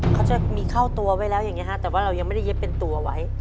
เขาจะมีเข้าตัวไว้แล้วอย่างนี้ฮะแต่ว่าเรายังไม่ได้เย็บเป็นตัวไว้